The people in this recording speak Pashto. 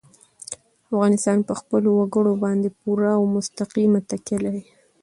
افغانستان په خپلو وګړي باندې پوره او مستقیمه تکیه لري.